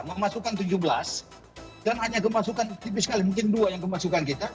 memasukkan tujuh belas dan hanya kemasukan tipis sekali mungkin dua yang kemasukan kita